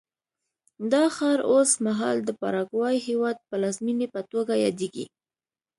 دا ښار اوس مهال د پاراګوای هېواد پلازمېنې په توګه یادېږي.